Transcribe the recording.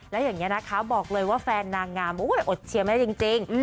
แล้วอย่างนี้นะคะบอกเลยว่าแฟนนางงามอดเชียร์แม่จริง